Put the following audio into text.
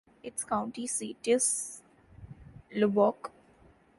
Its county seat is Lubbock.